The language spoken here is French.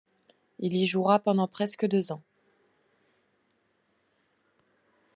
Il y jouera pendant presque deux ans.